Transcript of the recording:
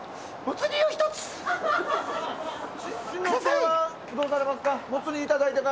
新之助はどうされますか？